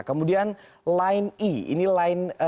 kemudian line e